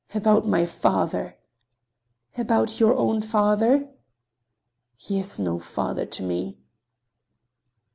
"About my father!" "About your own father?" "He is no father to me!"